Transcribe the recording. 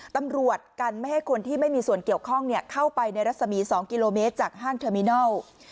ตำรวจกันไม่ให้คนที่ไม่มีส่วนเกี่ยวข้องเข้าไปในรัศมี๒กิโลเมตรจากห้างเทอร์มินัล